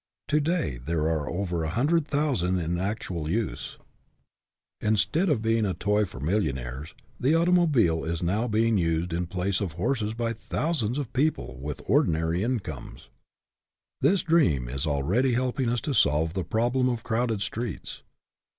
To day there are over a hundred thousand in actual use. Instead of being a WORLD OWES TO DREAMERS 71 toy for millionaires, the automobile is now be ing used in place of horses by thousands of people with ordinary incomes. This dream is already helping us to solve the problem of crowded streets.